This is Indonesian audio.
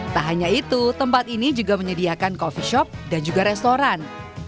tak hanya itu tempat ini juga menyediakan coffee shop dan juga restoran